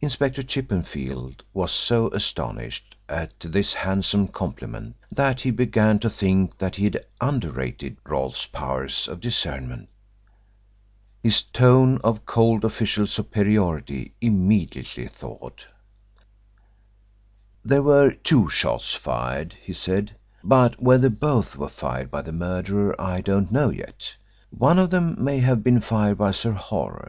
Inspector Chippenfield was so astonished at this handsome compliment that he began to think he had underrated Rolfe's powers of discernment. His tone of cold official superiority immediately thawed. "There were two shots fired," he said, "but whether both were fired by the murderer I don't know yet. One of them may have been fired by Sir Horace.